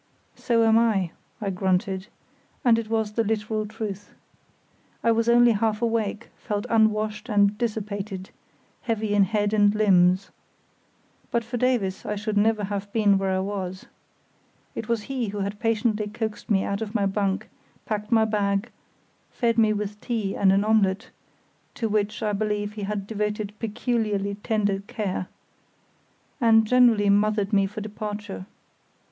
"So am I," I grunted, and it was the literal truth. I was only half awake, felt unwashed and dissipated, heavy in head and limbs. But for Davies I should never have been where I was. It was he who had patiently coaxed me out of my bunk, packed my bag, fed me with tea and an omelette (to which I believe he had devoted peculiarly tender care), and generally mothered me for departure.